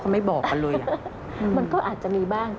มันก็อาจจะมีบ้าง